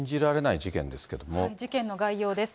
事件の概要です。